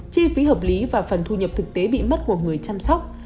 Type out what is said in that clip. chi phí hợp lý và phần thu nhập thực tế bị mất của người chăm sóc